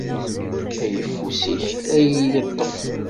Ayeffus-ik a iyi-iṭṭef.